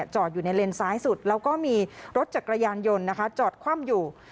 จอดอยู่ในเลนซ้ายสุดแล้วก็มีรถจักรยานยนต์นะคะจอดคว่ำอยู่